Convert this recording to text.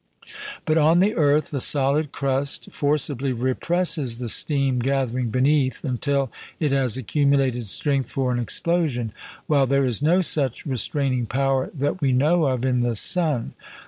But on the earth, the solid crust forcibly represses the steam gathering beneath until it has accumulated strength for an explosion, while there is no such restraining power that we know of in the sun.